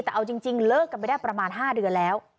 แต่เอาจริงเลิกกันไปได้ประมาณ๕เดือนแล้ว